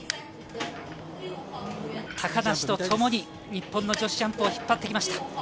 高梨とともに日本の女子ジャンプを引っ張ってきました。